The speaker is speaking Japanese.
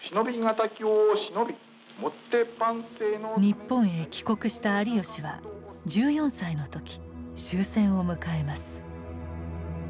日本へ帰国した有吉は１４歳の時終戦を迎えます。